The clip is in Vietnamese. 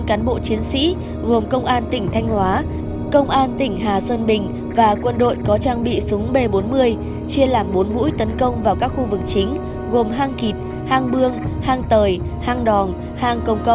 cán bộ chiến sĩ gồm công an tỉnh thanh hóa công an tỉnh hà sơn bình và quân đội có trang bị súng b bốn mươi chia làm bốn mũi tấn công vào các khu vực chính gồm hang kịt hang bương hang tời hang đòn hàng công cộng